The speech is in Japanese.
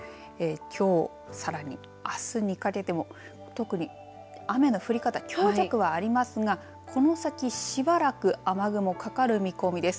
きょう、さらにあすにかけても特に雨の降り方強弱はありますがこの先しばらく雨雲かかる見込みです。